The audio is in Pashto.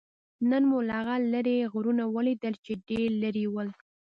نن مو هغه لرې غرونه ولیدل؟ چې ډېر لرې ول.